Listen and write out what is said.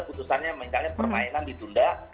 keputusannya misalnya permainan ditunda